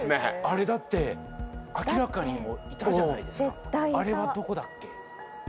あれだって明らかにもういたじゃないですか絶対いたあれはどこだっけ？